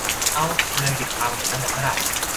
เอ๊า ดันไปปิดความเห็นตั้งแต่เมื่อไหร่